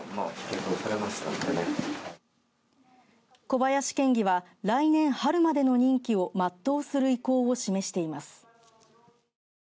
小林県議は来年春までの任期を全うする意向を示しています。